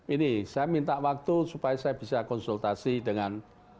ini saya minta waktu supaya saya bisa konsultasi dengan